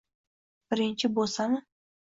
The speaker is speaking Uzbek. Birinchi bo’sami?